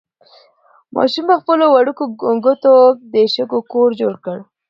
ماشوم په خپلو وړوکو ګوتو د شګو کور جوړ کړ.